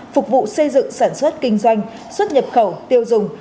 phục vụ xây dựng sản xuất kinh doanh xuất nhập khẩu tiêu dùng